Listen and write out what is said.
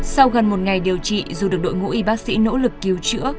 sau gần một ngày điều trị dù được đội ngũ y bác sĩ nỗ lực cứu chữa